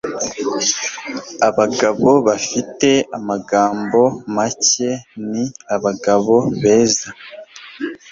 abagabo bafite amagambo make ni abagabo beza